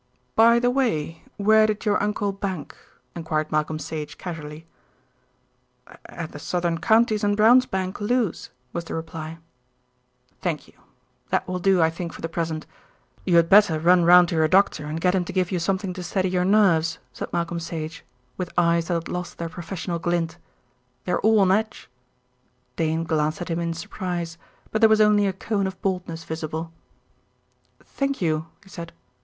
"By the way, where did your uncle bank?" enquired Malcolm Sage casually. "At the Southern Counties and Brown's Bank, Lewes," was the reply. "Thank you. That will do, I think, for the present. You had better run round to your doctor and get him to give you something to steady your nerves," said Malcolm Sage, with eyes that had lost their professional glint. "They are all on edge." Dane glanced at him in surprise; but there was only a cone of baldness visible. "Thank you," he said.